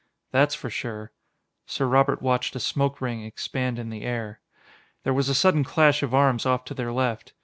"That's for sure." Sir Robert watched a smoke ring expand in the air. There was a sudden clash of arms off to their left.